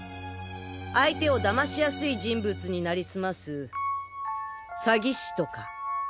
相手をだましやすい人物になりすます詐欺師とか。